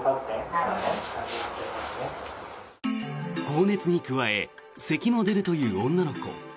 高熱に加えせきも出るという女の子。